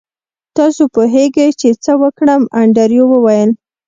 تاسو پوهیږئ چې څه وکړم انډریو وویل